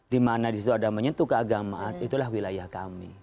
di mana di situ ada menyentuh keagamaan itulah wilayah kami